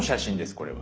これは。